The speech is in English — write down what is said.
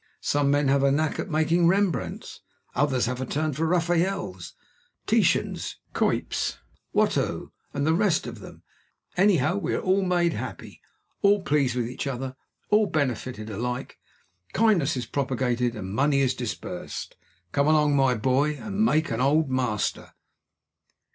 Some men have a knack at making Rembrandts, others have a turn for Raphaels, Titians, Cuyps, Watteaus, and the rest of them. Anyhow, we are all made happy all pleased with each other all benefited alike. Kindness is propagated and money is dispersed. Come along, my boy, and make an Old Master!"